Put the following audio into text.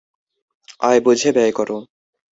আয় বুঝে ব্যয় কর।